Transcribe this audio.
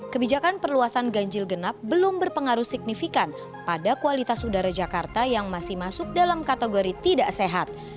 kebijakan perluasan ganjil genap belum berpengaruh signifikan pada kualitas udara jakarta yang masih masuk dalam kategori tidak sehat